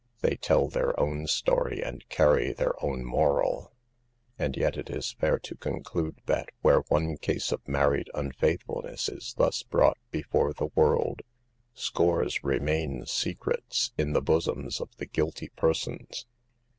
They tell their own story and carry their own moral. And yet it is fair to conclude that where one case of married unfaithfulness is thus brought before the world, scores remain secrets in the bosoms of the guilty persons.